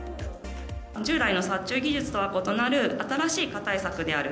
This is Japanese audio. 従来の殺虫技術とは異なる、新しい蚊対策である。